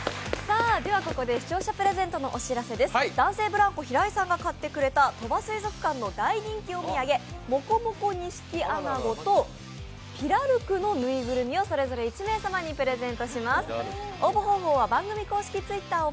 ブランコ平井さんが買ってくれた鳥羽水族館の大人気お土産もこもこニシキアナゴとピラルクのぬいぐるみをそれぞれ１名様にプレゼントします